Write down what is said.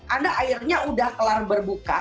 anda airnya udah kelar berbuka